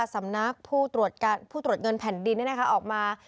สำนักผู้ตรวจเงินแผ่นดินออกมา